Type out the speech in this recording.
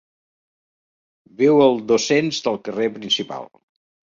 Viu al dos-cents del carrer principal.